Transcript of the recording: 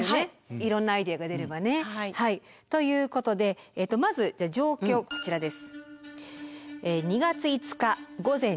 いろんなアイデアが出ればね。ということでまず状況こちらです。